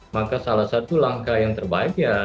maka salah satu langkah yang terbaik ya